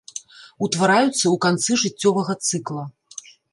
Утвараюцца ў канцы жыццёвага цыкла.